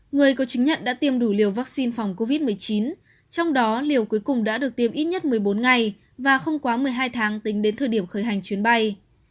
người có chứng nhận đã tiêm đủ liều vaccine phòng covid một mươi chín trong đó liều cuối cùng đã được tiêm ít nhất một mươi bốn ngày và không quá một mươi hai tháng tính đến thời điểm khởi hành chuyến bay